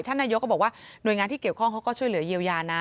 นายกก็บอกว่าหน่วยงานที่เกี่ยวข้องเขาก็ช่วยเหลือเยียวยานะ